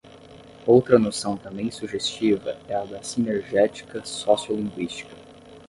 Outra noção também sugestiva é a da sinergética sociolinguística.